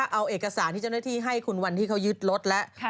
เอาเอกสารที่เจ้าหน้าที่ให้คุณวันที่เขายึดรถแล้ว